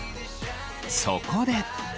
そこで。